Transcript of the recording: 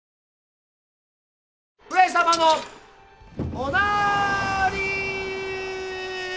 ・上様のおなーりー。